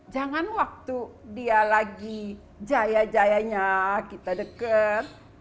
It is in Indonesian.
jangan waktu dia lagi jaya jayanya kita deket